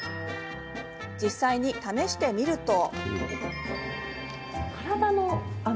実際に試してみると。